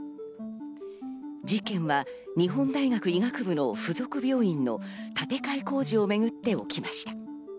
事件は日本大学医学部の付属病院の建て替え工事をめぐって起きました。